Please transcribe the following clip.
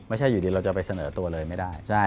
ไม่ใช่อยู่ดีเราจะไปเสนอตัวเลยไม่ได้